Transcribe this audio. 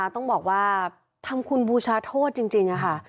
ต้องบอกว่าทำคุณบูชาโทษจริงค่ะ